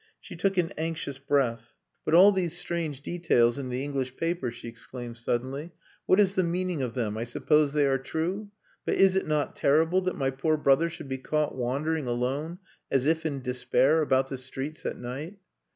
She took an anxious breath. "But all these strange details in the English paper," she exclaimed suddenly. "What is the meaning of them? I suppose they are true? But is it not terrible that my poor brother should be caught wandering alone, as if in despair, about the streets at night...."